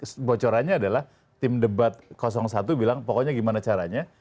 nah bocorannya adalah tim debat satu bilang pokoknya gimana caranya